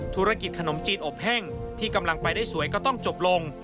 ธุรกิจขนมจีนอบแห้งที่กำลังไปได้สวยก็ต้องจบลง